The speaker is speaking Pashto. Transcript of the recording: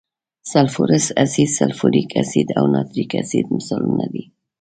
سلفورس اسید، سلفوریک اسید او نایتریک اسید مثالونه دي.